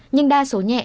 nhưng đa số nhẹ